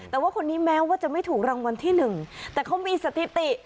แต่ว่าคนนี้แม้ว่าจะไม่ถูกรางวัลที่หนึ่งแต่เขามีสถิติ